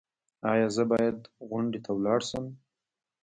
ایا زه باید غونډې ته لاړ شم؟